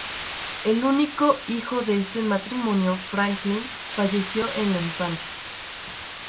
El único hijo de este matrimonio, Franklin, falleció en la infancia.